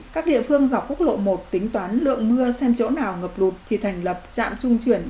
các địa phương dọc quốc lộ một tính toán lượng mưa xem chỗ nào ngập lụt thì thành lập trạm trung chuyển